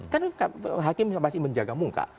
kan hakim masih menjaga muka